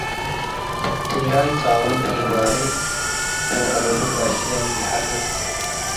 በ’ቴራይ ጻውር ኢዋሬ ወአለቡ ጋሻይ ኢሐርብ